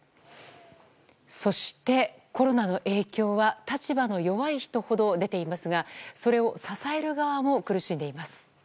そして、コロナの影響は立場の弱い人ほど出ていますがそれを支える側も苦しんでいます。